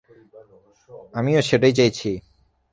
আমিও সেটাই চাইছি।